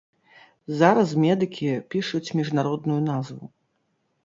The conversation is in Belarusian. Зараз медыкі пішуць міжнародную назву.